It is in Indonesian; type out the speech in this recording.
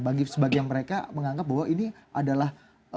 bagi sebagian mereka menganggap bahwa ini adalah